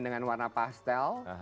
dengan warna pastel